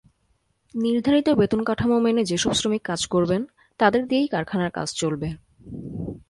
নির্ধারিত বেতনকাঠামো মেনে যেসব শ্রমিক কাজ করবেন, তাঁদের দিয়েই কারখানার কাজ চলবে।